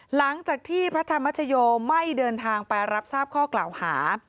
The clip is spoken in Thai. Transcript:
หลังจากที่พระธรรมชโยไม่เดินทางไปรับทราบข้อกล่าวหา